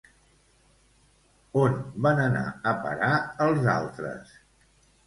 On van anar a parar els altres?